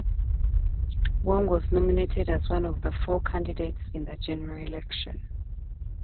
Wong was nominated as one of the four candidates in the general election.